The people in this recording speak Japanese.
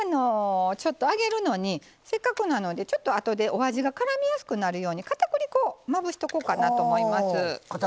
揚げるのに、せっかくなのでちょっと、あとでお味がからみやすくなるようにかたくり粉をまぶしとこうかなと思います。